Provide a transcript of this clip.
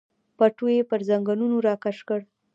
پټو یې پر زنګنونو راکش کړ.